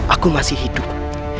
aku masih hidup